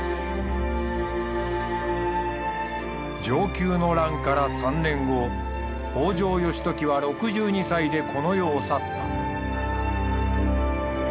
承久の乱から３年後北条義時は６２歳でこの世を去った。